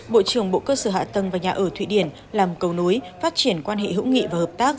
bộ trưởng bộ cơ sở hạ tầng và nhà ở thụy điển làm cầu nối phát triển quan hệ hữu nghị và hợp tác